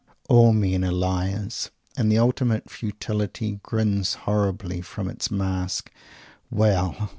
All men are liars, and "the Ultimate Futility" grins horribly from its mask. Well!